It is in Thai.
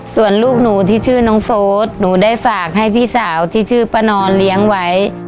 ส่วนลูกหนูที่ชื่อน้องโฟสหนูได้ฝากให้พี่สาวที่ชื่อป้านอนเลี้ยงไว้